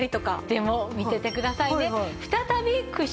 でも見ててくださいね。